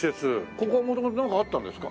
ここは元々なんかあったんですか？